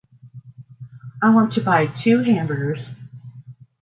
I want to buy two hamburgers.